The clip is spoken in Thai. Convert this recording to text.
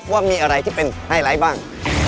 ว่ามีอะไรที่เป็นไฮไลท์บ้าง